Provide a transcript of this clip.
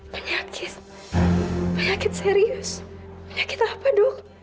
penyakit penyakit serius penyakit apa dok